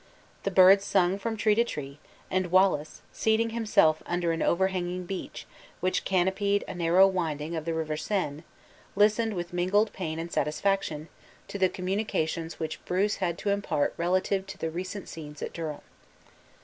The birds sung from tree to tree; and Wallace, seating himself under an overhanging beech, which canopied a narrow winding of the River Seine, listened with mingled pain and satisfaction, to the communications which Bruce had to impart relative to the recent scenes at Durham.